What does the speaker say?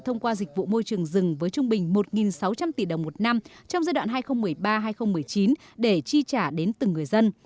thông qua dịch vụ môi trường rừng với trung bình một sáu trăm linh tỷ đồng một năm trong giai đoạn hai nghìn một mươi ba hai nghìn một mươi chín để chi trả đến từng người dân